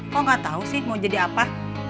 kok nggak tahu sih mau jadi apa